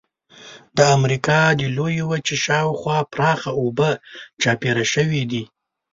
د امریکا د لویې وچې شاو خوا پراخه اوبه چاپېره شوې دي.